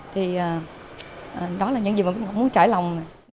thì đó là những gì mà muốn trải lòng